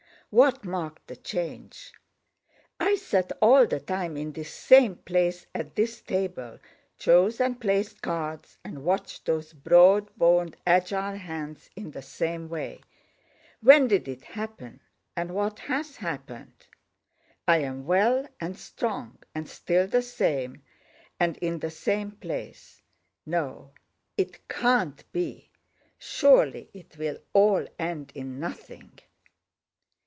What marked the change? I sat all the time in this same place at this table, chose and placed cards, and watched those broad boned agile hands in the same way. When did it happen and what has happened? I am well and strong and still the same and in the same place. No, it can't be! Surely it will all end in nothing!"